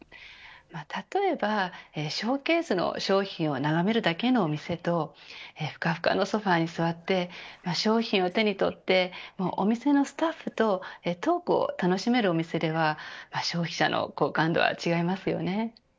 例えばショーケースの商品を眺めるだけのお店とふかふかのソファーに座って商品を手にとってお店のスタッフとトークを楽しめるお店では消費者の好感度は違いますよね。